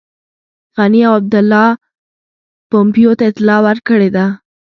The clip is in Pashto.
غني او عبدالله پومپیو ته اطلاع ورکړې ده.